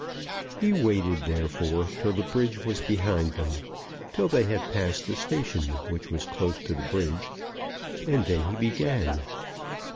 He waited, therefore, till the bridge was behind them, till they had passed the station, which was close to the bridge; and then he began.